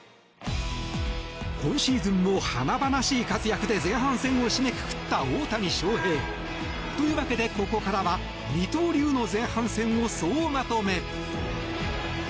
今シーズンも華々しい活躍で前半戦を締めくくった大谷翔平。というわけで、ここからは二刀流の前半戦を総まとめ。